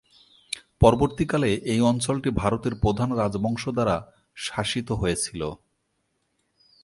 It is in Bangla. পরবর্তীকালে, এই অঞ্চলটি ভারতের প্রধান রাজবংশ দ্বারা শাসিত হয়েছিল।